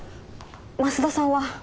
舛田さんは？